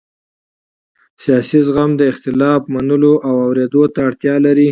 سیاسي زغم د اختلاف منلو او اورېدو ته اړتیا لري